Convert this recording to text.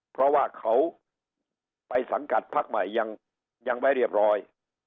เพราะว่าเขาไปสังกัดพักใหม่ยังไม่เรียบร้อย